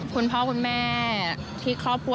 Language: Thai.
คุณพ่อคุณแม่ที่ครอบครัว